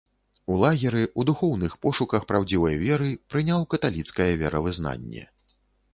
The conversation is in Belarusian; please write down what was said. У лагеры, у духоўных пошуках праўдзівай веры, прыняў каталіцкае веравызнанне.